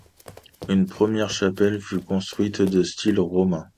Une première chapelle fut construite, de style roman.